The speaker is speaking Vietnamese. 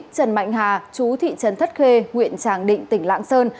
trần mạnh hà chú thị trấn thất khê huyện tràng định tỉnh lạng sơn